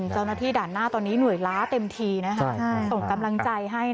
เจ้าหน้าที่ด่านหน้าตอนนี้หน่วยล้าเต็มทีส่งกำลังใจให้